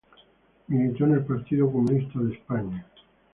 Militó en el Partido Comunista de España.